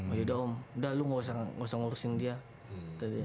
oh yaudah om udah lu nggak usah ngurusin dia